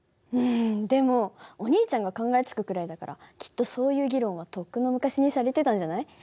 うんでもお兄ちゃんが考えつくくらいだからきっとそういう議論はとっくの昔にされてたんじゃない？